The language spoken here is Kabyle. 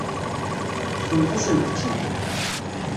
Teṭṭfemt-asent-tt-id.